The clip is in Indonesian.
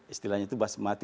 istilahnya itu basmati